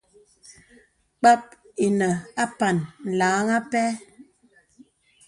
Kpap ìnə àpan làŋ àpɛ.